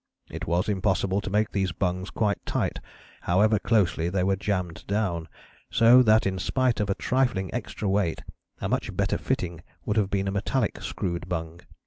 It was impossible to make these bungs quite tight, however closely they were jammed down, so that in spite of a trifling extra weight a much better fitting would have been a metallic screwed bung.